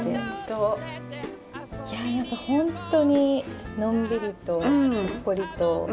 いや何か本当にのんびりとほっこりと。